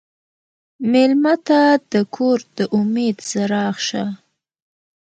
مېلمه ته د کور د امید څراغ شه.